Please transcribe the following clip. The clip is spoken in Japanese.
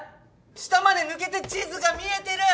下まで抜けて地図が見えてる！